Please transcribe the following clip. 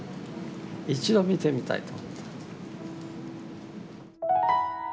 一度見てみたいと思った。